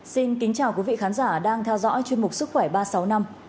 xin kính chào quý vị khán giả đang theo dõi chuyên mục sức khỏe ba sáu năm